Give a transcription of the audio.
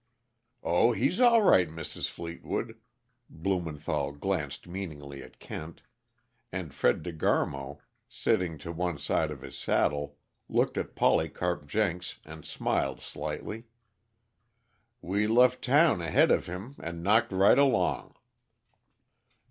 "Oh, he's all right, Mrs. Fleetwood." Blumenthall glanced meaningly at Kent and Fred De Garmo, sitting to one side of his saddle, looked at Polycarp Jenks and smiled slightly. "We left town ahead of him, and knocked right along."